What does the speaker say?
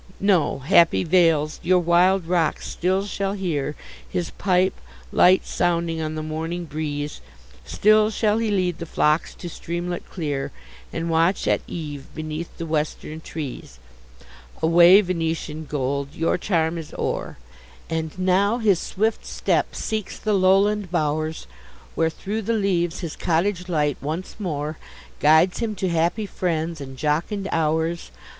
No, happy vales! your wild rocks still shall hear His pipe, light sounding on the morning breeze; Still shall he lead the flocks to streamlet clear, And watch at eve beneath the western trees. Away, Venetian gold—your charm is o'er! And now his swift step seeks the lowland bow'rs, Where, through the leaves, his cottage light once more Guides him to happy friends, and jocund hours.